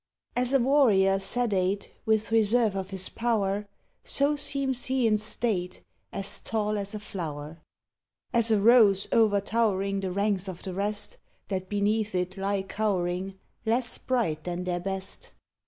As a warrior sedate With reserve of his power, So seems he in state As tall as a flower: As a rose overtowering The ranks of the rest That beneath it lie cowering, Less bright than their best.